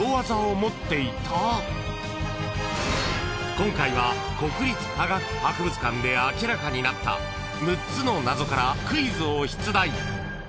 ［今回は国立科学博物館で明らかになった６つの謎からクイズを出題］